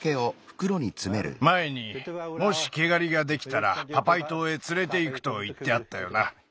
まえに「もしけがりができたらパパイとうへつれていく」といってあったよな。